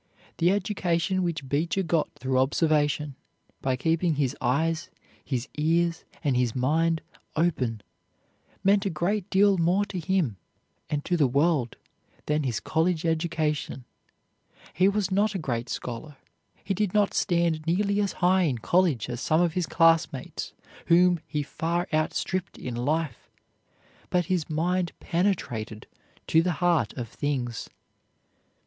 The education which Beecher got through observation, by keeping his eyes, his ears, and his mind open, meant a great deal more to him and to the world than his college education. He was not a great scholar; he did not stand nearly as high in college as some of his classmates whom he far outstripped in life, but his mind penetrated to the heart of things.